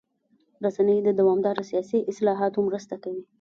رسنۍ د دوامداره سیاسي اصلاحاتو مرسته کوي.